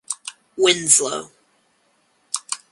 Winslow.